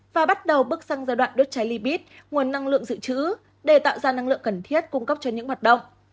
và bắt đầu bước sang giai đoạn đốt cháy libbit nguồn năng lượng dự trữ để tạo ra năng lượng cần thiết cung cấp cho những hoạt động